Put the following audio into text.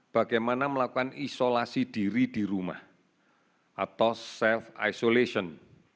bagaimana melakukan isolasi diri di rumah atau self isolation